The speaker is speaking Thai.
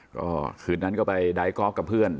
ก็คืนนั้นก็ไปไดกอล์ฟกับเพื่อน